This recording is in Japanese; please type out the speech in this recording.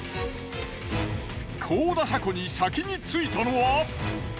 幸田車庫に先に着いたのは。